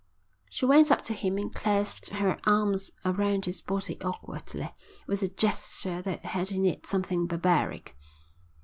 She went up to him and clasped her arms around his body awkwardly, with a gesture that had in it something barbaric.